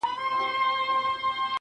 • ورځي تیري په خندا شپې پر پالنګ وي -